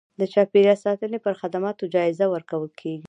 د چاپیریال ساتنې پر خدماتو جایزه ورکول کېږي.